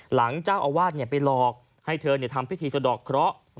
หลังเจ้าอาวาสไปหลอกให้เธอทำพิธีสะดอกเคราะห์